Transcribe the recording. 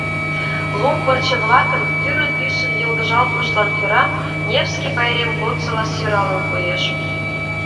Лум пырче-влакын тӱрлӧ тӱсын йылгыжалтмыштлан кӧра Невский пайрем годсыла сӧралын коеш.